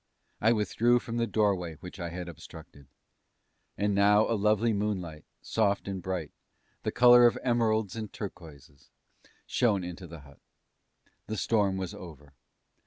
I withdrew from the doorway which I had obstructed. And now a lovely moonlight, soft and bright, the colour of emeralds and turquoises, shone into the hut. The storm was over.